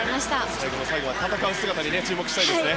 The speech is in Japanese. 最後の最後まで戦う姿に注目したいですね。